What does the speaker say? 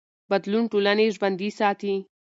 بدلون ټولنې ژوندي ساتي